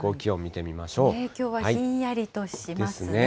きょうはひんやりとしますね。ですね。